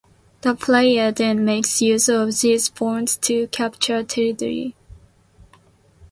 The player then makes use of these pawns to capture territory.